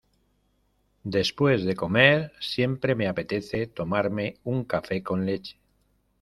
Después de comer siempre me apetece tomarme un café con leche.